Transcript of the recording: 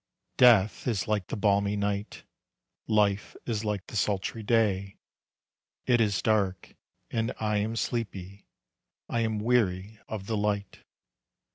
Death is like the balmy night, Life is like the sultry day; It is dark, and I am sleepy. I am weary of the light.